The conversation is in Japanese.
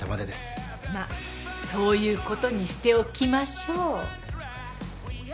まっそういうことにしておきましょう。